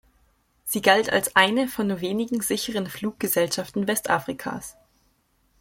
Sie galt als eine von nur wenigen sicheren Fluggesellschaften Westafrikas.